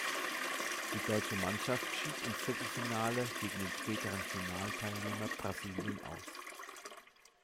Die deutsche Mannschaft schied im Viertelfinale gegen den späteren Finalteilnehmer Brasilien aus.